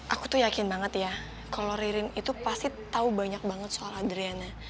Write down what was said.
aku tuh yakin banget ya kalau ririn itu pasti tahu banyak banget soal adriana